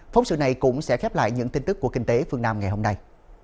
phóng sự này cũng sẽ khép lại những tin tức của kinh tế phương nam ngày hôm nay